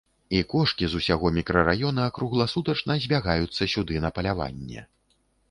І кошкі з усяго мікрараёна кругласутачна збягаюцца сюды на паляванне.